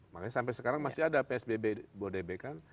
makanya sampai sekarang masih ada psbb bodebek kan